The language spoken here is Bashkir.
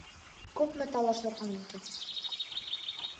Күпме талашырға мөмкин?